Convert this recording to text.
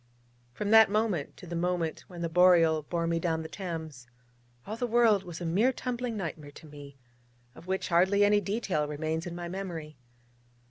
From that moment to the moment when the Boreal bore me down the Thames, all the world was a mere tumbling nightmare to me, of which hardly any detail remains in my memory.